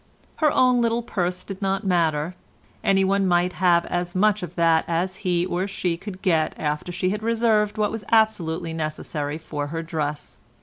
Her own little purse did not matter; any one might have as much of that as he or she could get after she had reserved what was absolutely necessary for her dress.